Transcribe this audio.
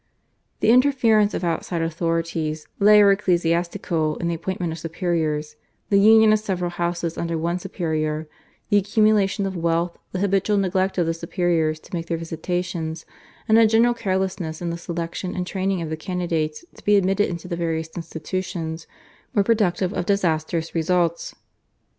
The interference of outside authorities lay or ecclesiastical in the appointment of superiors, the union of several houses under one superior, the accumulation of wealth, the habitual neglect of the superiors to make their visitations, and a general carelessness in the selection and training of the candidates to be admitted into the various institutions, were productive of disastrous results.